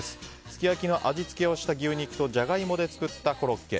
すき焼きの味付けをした牛肉とジャガイモで作ったコロッケ。